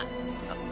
あっ。